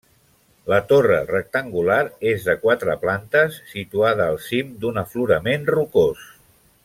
La torre rectangular és de quatre plantes, situada al cim d'un aflorament rocós.